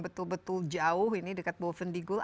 betul betul jauh ini dekat bolvendigul